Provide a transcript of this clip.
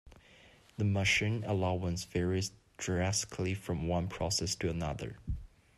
The machining allowance varies drastically from one process to another.